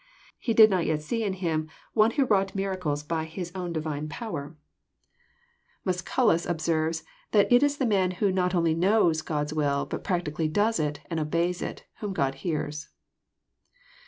He did not yet see in Him one who wrought miracles by His own Divine power. 166 EXPOSITOBT THOUGHTS. Mascnlus observefl, that it is the man who not only << knows God's will, but practically ^* does " it, and obeys it, whom God hears.